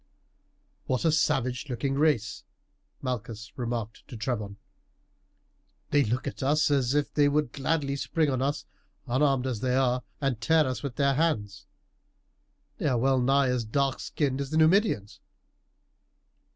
"What a savage looking race!" Malchus remarked to Trebon; "they look at us as if they would gladly spring on us, unarmed as they are, and tear us with their hands. They are well nigh as dark skinned as the Numidians."